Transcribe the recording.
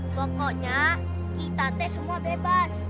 pokoknya kita tes semua bebas